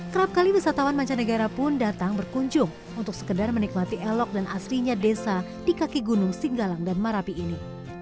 kerap kali wisatawan mancanegara pun datang berkunjung untuk sekedar menikmati elok dan aslinya desa di kaki gunung singgalang dan marapi ini